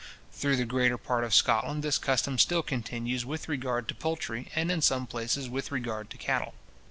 Through the greater part of Scotland this custom still continues with regard to poultry, and in some places with regard to cattle.